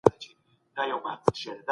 په معامله کي روڼتيا د باور فضا جوړوي.